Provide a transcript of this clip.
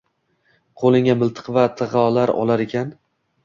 Qoʻliga miltiq yo tigʻ olar ekan